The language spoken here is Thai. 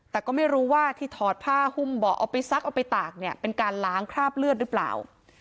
แต่ก็ไม่รู้ว่าที่ถอดผ้าหุ้มเบาะเอาไปซักเอาไปตากเนี่ยเป็นการล้างคราบเลือดหรือเปล่า